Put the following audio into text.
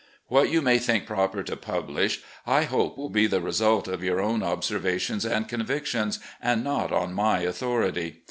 What you may think proper to publish I hope will be the result of your own observations and convictions, and not on my authority.